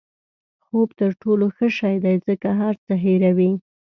خوب تر ټولو ښه شی دی ځکه هر څه هیروي.